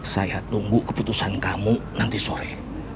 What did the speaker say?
saya tunggu keputusan kamu nanti sore